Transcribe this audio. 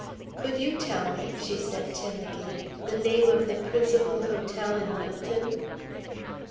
"Could you tell me," she said timidly, "the name of the principal hotel in Millton?"